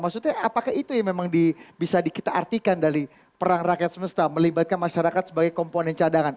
maksudnya apakah itu yang memang bisa kita artikan dari perang rakyat semesta melibatkan masyarakat sebagai komponen cadangan